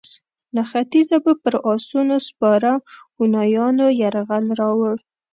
له ختیځه به پر اسونو سپاره هونیانو یرغل راووړ.